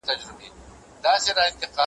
د واسکټونو دوکانونه ښيي `